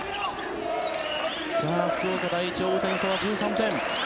福岡第一、追う点差は１３点。